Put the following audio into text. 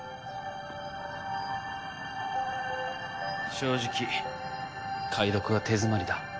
正直解読は手詰まりだ。